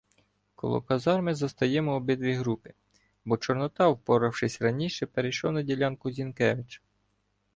Коло казарми застаємо обидві групи, бо Чорнота, впоравшись раніше, перейшов на ділянку Зінкевича.